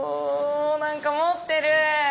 なんか持ってる！